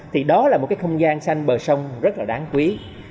thì đó là một cái không gian xanh bờ sông rất là đáng quý